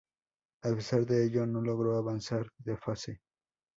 A pesar de ello, no logró avanzar de fase.